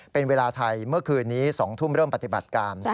เป็นเวลาไทยเมื่อคืนนี้๒ทุ่มเริ่มปฏิบัติการ